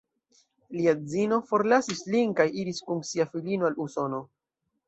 Lia edzino forlasis lin kaj iris kun sia filino al Usono.